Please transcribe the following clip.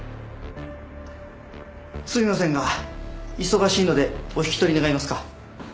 すみませんが忙しいのでお引き取り願えますか？